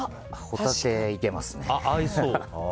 ホタテ、いけますね。